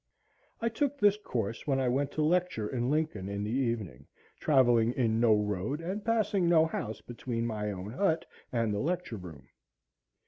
I took this course when I went to lecture in Lincoln in the evening, travelling in no road and passing no house between my own hut and the lecture room.